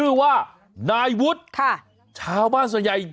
เบิร์ตลมเสียโอ้โห